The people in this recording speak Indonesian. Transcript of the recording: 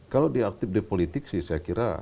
kalau diaktif di politik sih saya kira